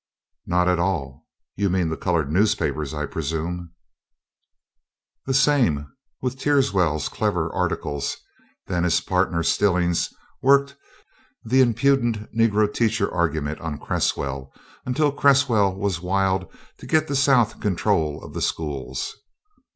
"Not at all; you mean the colored newspapers, I presume." "The same, with Teerswell's clever articles; then his partner Stillings worked the 'impudent Negro teacher' argument on Cresswell until Cresswell was wild to get the South in control of the schools."